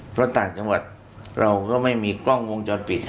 เพราะต่างจังหวัดเราก็ไม่มีกล้องวงจรปิด